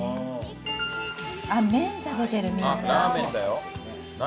あっ麺食べてるみんな。